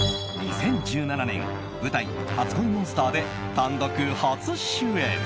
２０１７年舞台「初恋モンスター」で単独初主演。